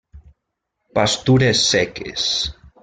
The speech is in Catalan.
Pastures seques.